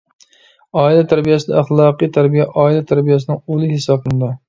ئائىلە تەربىيەسىدە ئەخلاقىي تەربىيە ئائىلە تەربىيەسىنىڭ ئۇلى ھېسابلىنىدۇ.